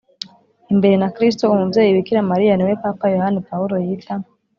imbere na kristu. uwo mubyeyi bikira mariya ni we papa yohani pawulo yita :